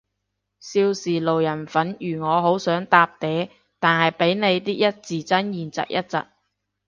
少時路人粉如我好想搭嗲，但係被你啲一字真言疾一疾